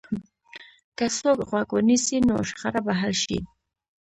که څوک غوږ ونیسي، نو شخړه به حل شي.